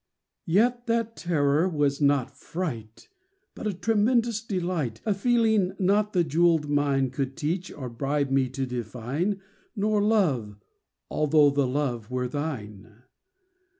Yet that terror was not fright, But a tremulous delight— A feeling not the jewelled mine Could teach or bribe me to define— Nor Love—although the Love were thine.